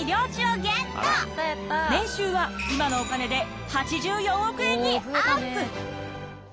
年収は今のお金で８４億円にアップ。